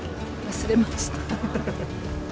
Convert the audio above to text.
忘れました。